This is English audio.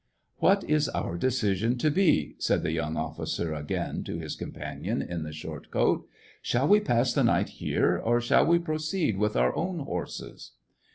" What is our decision to be ?" said the young officer again to his companion in the short coat. " Shall we pass the night here, or shall we pro ceed with our own horses